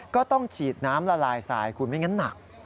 ก็ต้องฉีดน้ำละลายทรายคุณไม่งั้นหนัก